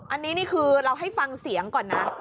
อันนี้นี่คือเราให้ฟังเสียงก่อนนะ